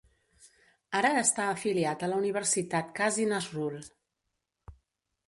Ara està afiliat a la Universitat Kazi Nazrul.